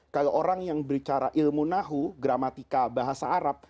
kalau orang yang berbicara ilmu nahu gramatika bahasa arab